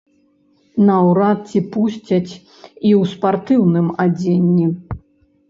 Наўрад ці пусцяць і ў спартыўным адзенні.